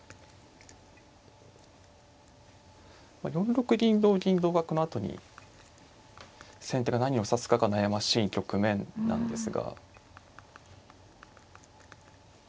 ４六銀同銀同角のあとに先手が何を指すかが悩ましい局面なんですが。